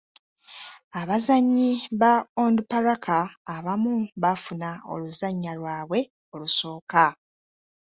Abazannyi ba Onduparaka abamu baafuna oluzannya lwabwe olusooka.